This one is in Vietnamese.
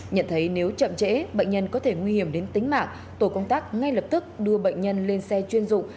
nhận thấy nếu chậm trễ bệnh nhân có thể nguy hiểm đến tính mạng tổ công tác ngay lập tức đưa bệnh nhân lên xe chuyên dụng